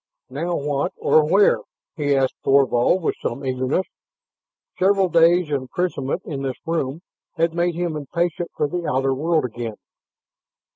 "Now what, or where?" he asked Thorvald with some eagerness. Several days' imprisonment in this room had made him impatient for the outer world again.